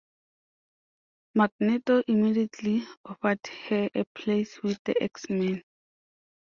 Magneto immediately offered her a place with the X-Men.